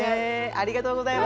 ありがとうございます。